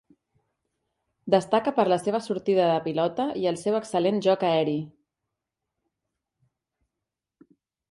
Destaca per la seva sortida de pilota i el seu excel·lent joc aeri.